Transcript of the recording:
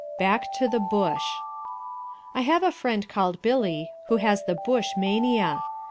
Back to the Bush I have a friend called Billy, who has the Bush Mania.